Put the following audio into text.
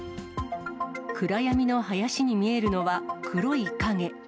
暗闇の林に見えるのは、黒い影。